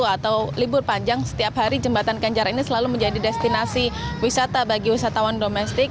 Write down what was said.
atau libur panjang setiap hari jembatan kenjaran ini selalu menjadi destinasi wisata bagi wisatawan domestik